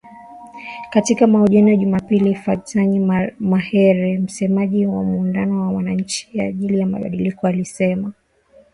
Katika mahojiano ya Jumapili, Fadzayi Mahere, msemaji wa muungano wa wananchi kwa ajili ya mabadiliko, alisema chama chake hakijafurahishwa.